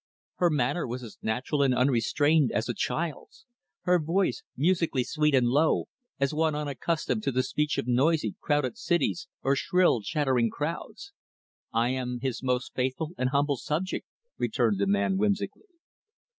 Her manner was as natural and unrestrained as a child's her voice, musically sweet and low, as one unaccustomed to the speech of noisy, crowded cities or shrill chattering crowds. "I am his most faithful and humble subject," returned the man, whimsically.